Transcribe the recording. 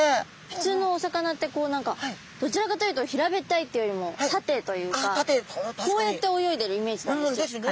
普通のお魚って何かどちらかというと平べったいっていうよりも縦というかこうやって泳いでるイメージなんですよ。ですね。